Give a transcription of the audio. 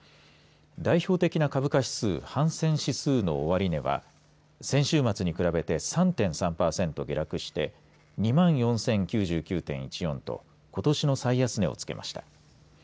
代表的な株価指数ハンセン指数の終値は先週末に比べて３．３パーセント下落して２万４０９９．１４とことしの最安値をつけました。